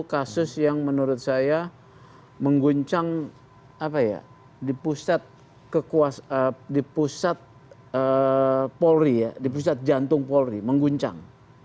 kasus yang menurut saya mengguncang di pusat jantung polri mengguncang